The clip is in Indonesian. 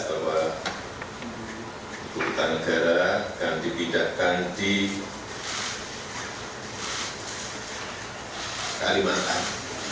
bahwa keputusan negara akan dipindahkan di kalimantan